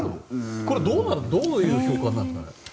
これ、どういう評価になるんですかね。